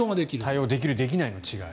対応できる、できないの違い。